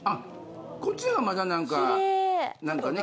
こっちはまだ何か何かね